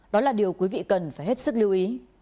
đó là điều quý vị cần phải hết sức lưu ý